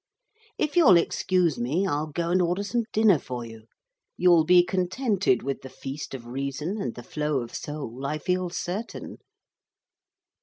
If you'll excuse me I'll go and order some dinner for you. You'll be contented with the feast of reason and the flow of soul, I feel certain.'